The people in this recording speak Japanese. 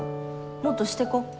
もっとしてこ。